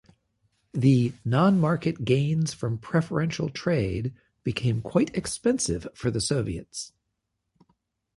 The "non-market gains from preferential trade" became quite expensive for the Soviets.